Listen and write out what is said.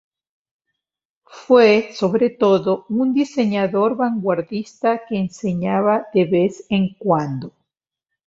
Fue, sobre todo, un diseñador vanguardista que enseñaba de vez en cuando.